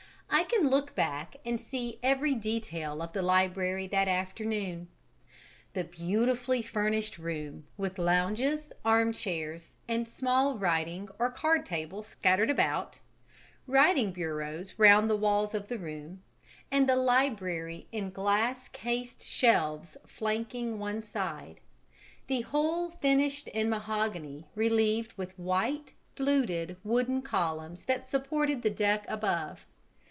I can look back and see every detail of the library that afternoon the beautifully furnished room, with lounges, armchairs, and small writing or card tables scattered about, writing bureaus round the walls of the room, and the library in glass cased shelves flanking one side, the whole finished in mahogany relieved with white fluted wooden columns that supported the deck above.